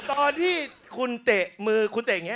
ตอนที่คุณเตะมือคุณเตะอย่างนี้